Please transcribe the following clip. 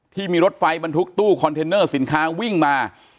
ที่มีรถไฟบรรทุกตู้คอนเทนเนอร์สินค้าวิ่งมา